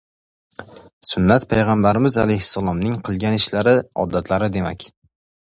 Sunnat - payg‘ambarimiz alayhissalomning qilgan ishlari, odatlari demak.